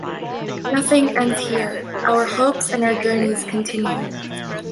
Nothing ends here; our hopes and our journeys continue.